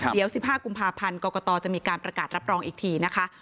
เดี๋ยว๑๕กุมภาพันธ์กรกตจะมีการประกาศรับรองอีกทีนะคะ